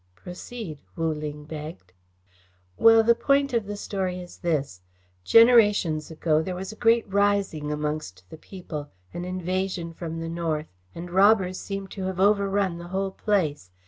"Proceed," Wu Ling begged. "Well, the point of the story is this. Generations ago there was a great rising amongst the people, an invasion from the north, and robbers seem to have overrun the whole place.